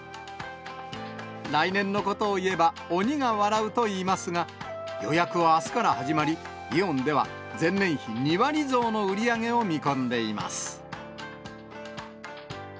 来年のことを言えば、鬼が笑うといいますが、予約はあすから始まり、イオンでは前年比２割増の売り上げを見込んでいます。